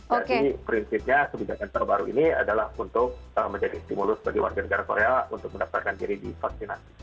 jadi prinsipnya kebijakan terbaru ini adalah untuk menjadi stimulus bagi warga negara korea untuk mendaftarkan diri di vaksinasi